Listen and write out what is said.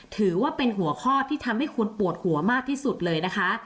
ถือว่าเป็นหัวข้อที่ทำให้คุณปวดหัวมากที่สุดเลยนะคะ